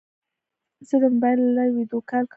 زه د موبایل له لارې ویدیو کال کوم.